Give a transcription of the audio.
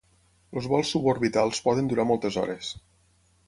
Els vols suborbitals poden durar moltes hores.